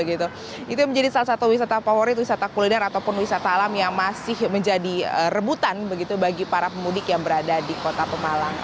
itu menjadi salah satu wisata favorit wisata kuliner ataupun wisata alam yang masih menjadi rebutan begitu bagi para pemudik yang berada di kota pemalang